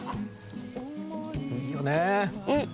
いいよね。